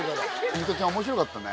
ミトちゃん面白かったね。